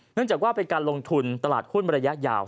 เนื่องจากว่าเป็นการลงทุนตลาดหุ้นระยะยาว